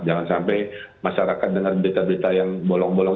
jangan sampai masyarakat dengar berita berita yang bolong bolong